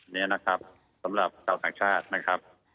นี่นะครับสำหรับเศร้าสังชาตินะครับ